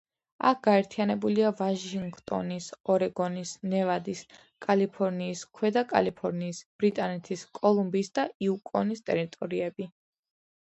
აქ გაერთიანებულია ვაშინგტონის, ორეგონის, ნევადის, კალიფორნიის, ქვედა კალიფორნიის, ბრიტანეთის კოლუმბიის და იუკონის ტერიტორიები.